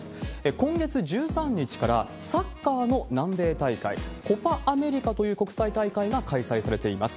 今月１３日から、サッカーの南米大会、コパ・アメリカという国際大会が開催されています。